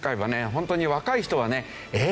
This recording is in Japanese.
本当に若い人はねええ！